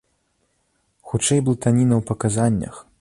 Хутчэй блытаніна ў паказаннях.